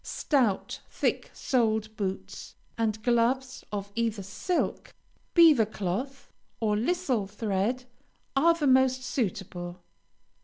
Stout, thick soled boots, and gloves of either silk, beaver cloth, or lisle thread, are the most suitable.